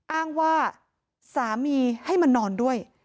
อ้างว่าสามีให้มานอนด้วย